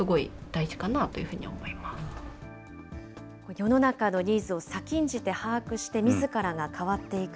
世の中のニーズを先んじて把握して、みずからが変わっていく。